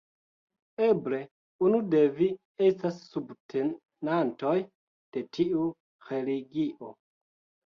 Eble unu de vi estas subtenantoj de tiu religio.